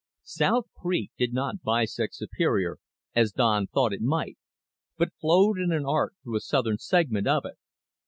South Creek did not bisect Superior, as Don thought it might, but flowed in an arc through a southern segment of it.